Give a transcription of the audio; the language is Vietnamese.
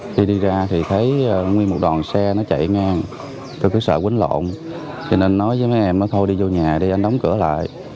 lên kia thì thấy nguyên một đoàn xe nó chạy ngang tôi cứ sợ quýnh lộn cho nên nói với mấy em nó thôi đi vô nhà đi anh đóng cửa lại